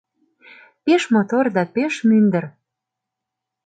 Пеш мотор да пеш мӱндыр.